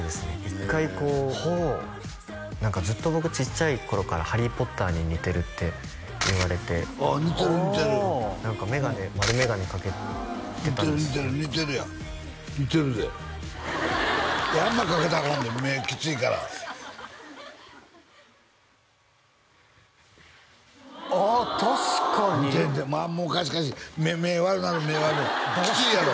１回こうほう何かずっと僕ちっちゃい頃からハリー・ポッターに似てるって言われてああ似てる似てる何か眼鏡丸眼鏡かけてたんです似てるやん似てるであんまかけたらアカンで目きついからああ確かに似てんでああもう貸し貸し目悪なる目悪なるきついやろ？